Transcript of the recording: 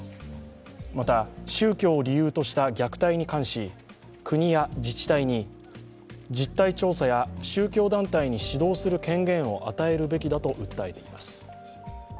また、宗教を理由とした虐待に関し国や自治体に実態調査や宗教団体に指導する権限を与えるべきだと訴えています。